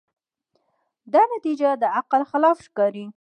دا نتیجه د عقل خلاف ښکاري.